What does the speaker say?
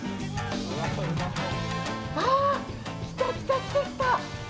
あー、来た、来た、来た！